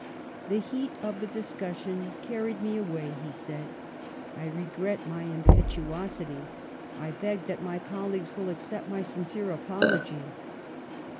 " The heat of the discussion carried me away,' he said; 'I regret my impetuosity. I beg that my colleagues will accept my sincere apology.'